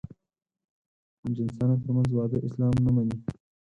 همجنسانو تر منځ واده اسلام نه مني.